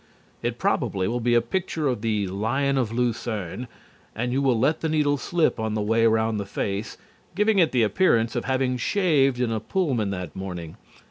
It probably will be a picture of the Lion of Lucerne, and you will let the needle slip on the way round the face, giving it the appearance of having shaved in a Pullman that morning.